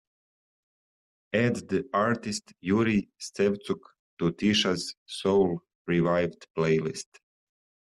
Add the artist Jurij Szewczuk to tisha's soul revived playlist.